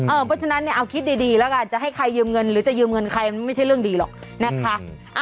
เพราะฉะนั้นเนี่ยเอาคิดดีแล้วกันจะให้ใครยืมเงินหรือจะยืมเงินใครมันไม่ใช่เรื่องดีหรอกนะคะ